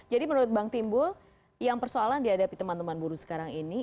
jadi menurut bang timbul yang persoalan dihadapi teman teman buruh sekarang ini